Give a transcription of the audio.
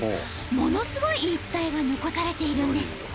ものすごい言い伝えが残されているんです。